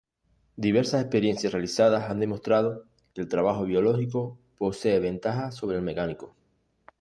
Diversas experiencias realizadas han demostrado que el trabajo biológico posee ventajas sobre el mecánico.